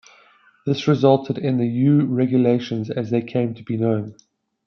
This resulted in the "U-Regulations" as they came to be known.